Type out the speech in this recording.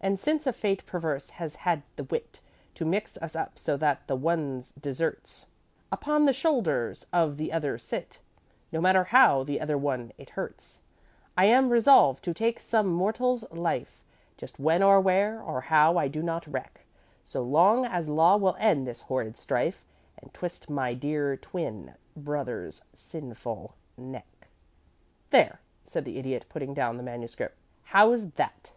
"'And since a fate perverse has had the wit To mix us up so that the one's deserts Upon the shoulders of the other sit, No matter how the other one it hurts, "'I am resolved to take some mortal's life; Just when, or where, or how, I do not reck, So long as law will end this horrid strife And twist my dear twin brother's sinful neck.'" "There," said the Idiot, putting down the manuscript. "How's that?"